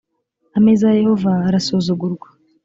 ameza ya yehova arasuzugurwa